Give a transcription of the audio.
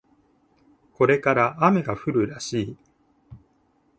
これから雨が降るらしい